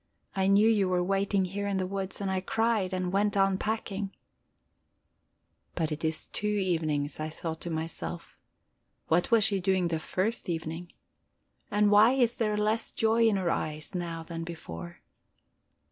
I knew you were waiting here in the woods, and I cried, and went on packing." But it is two evenings, I thought to myself. What was she doing the first evening? And why is there less joy in her eyes now than before?